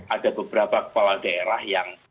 ada beberapa kepala daerah yang